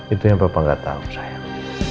itu yang papa nggak tau sayang